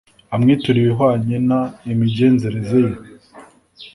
amwiture ibihwanye n imigenzereze ye